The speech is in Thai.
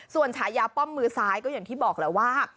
ส่วนฉายาป้อมมือซ้ายก็อย่างที่บอกแหละว่า